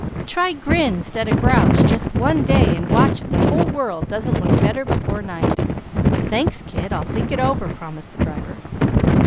Try grin, 'stead of grouch just one day and watch if the whole world doesn't look better before night." "Thanks kid, I'll think it over!" promised the driver.